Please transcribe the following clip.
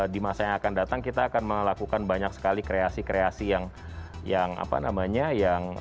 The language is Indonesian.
di masa yang akan datang kita akan melakukan banyak sekali kreasi kreasi yang apa namanya yang